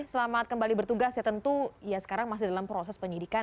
selamat kembali bertugas ya tentu ya sekarang masih dalam proses penyidikan